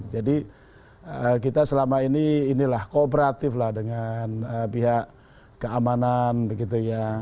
jadi kita selama ini inilah kooperatif lah dengan pihak keamanan begitu ya